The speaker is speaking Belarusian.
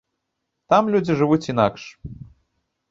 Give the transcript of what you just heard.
Там людзі жывуць інакш.